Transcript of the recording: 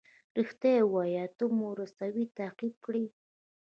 ریښتیاوو ته مو رسوي تعقیب یې کړئ.